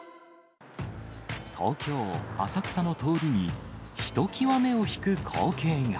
東京・浅草の通りに、ひときわ目を引く光景が。